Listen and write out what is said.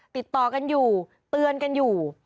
ติดต่อกันอยู่เตือนกันอยู่